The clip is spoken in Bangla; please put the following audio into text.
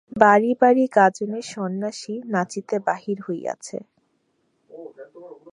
বাড়ি বাড়ি গাজনের সন্ন্যাসী নাচিতে বাহির হইয়াছে।